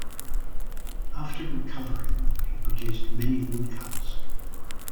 After recovering, he produced many woodcuts.